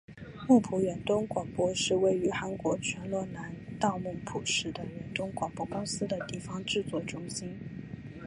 木浦远东广播是位于韩国全罗南道木浦市的远东广播公司的地方制作中心。